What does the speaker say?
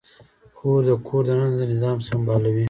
خور د کور دننه نظام سمبالوي.